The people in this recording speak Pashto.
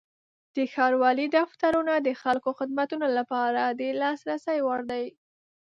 د ښاروالۍ دفترونه د خلکو خدمتونو لپاره د لاسرسي وړ دي.